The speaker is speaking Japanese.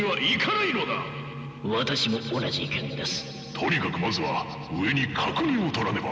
とにかくまずは上に確認をとらねば。